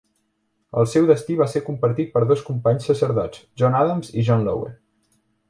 El seu destí va ser compartit per dos companys sacerdots, John Adams i John Lowe.